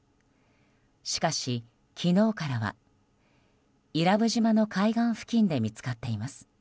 しかし、昨日からは伊良部島の海岸付近で見つかっています。